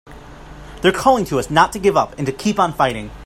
They're calling to us not to give up and to keep on fighting!